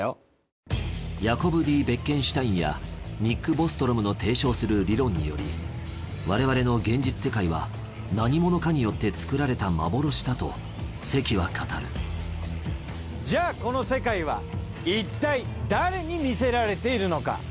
ヤコブ・Ｄ・ベッケンシュタインやニック・ボストロムの提唱する理論により我々の現実世界は何者かによって作られた幻だと関は語るじゃあこの世界はいったい誰に見せられているのか。